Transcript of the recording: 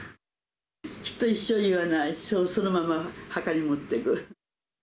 きっと一生言わない、そのまま墓に持っていく。